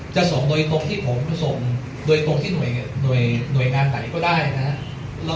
จะส่งโดยตรงที่ผมส่งโดยตรงที่หน่วยงานไหนก็ได้นะครับ